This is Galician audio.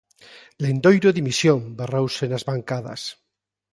"Lendoiro, dimisión", berrouse nas bancadas.